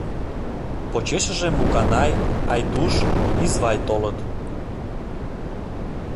Почешыже Муканай, Айдуш, Извай толыт.